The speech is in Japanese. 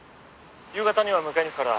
「夕方には迎えに行くから。